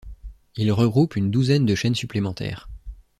Il regroupe une douzaine de chaînes supplémentaires.